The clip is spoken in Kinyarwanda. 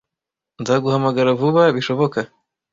Nzaguhamagara vuba bishoboka.